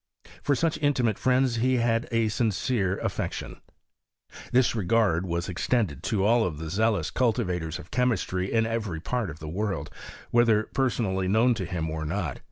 For such intimate friends he had a sincere aifection. This regard was extended to all tlie zealous culti vators of chemistry in every part of the world, whether personally known to him or not.